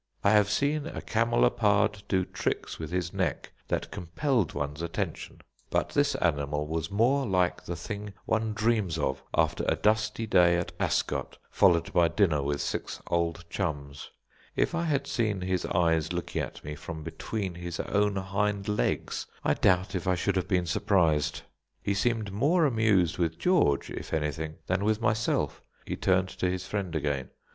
I have seen a camelopard do trick's with his neck that compelled one's attention, but this animal was more like the thing one dreams of after a dusty days at Ascot, followed by a dinner with six old chums. If I had seen his eyes looking at me from between his own hind legs, I doubt if I should have been surprised. He seemed more amused with George if anything, than with myself. He turned to his friend again.